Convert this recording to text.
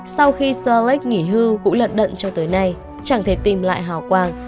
sau khi sir lake nghỉ hư cũng lận đận cho tới nay chẳng thể tìm lại hào quang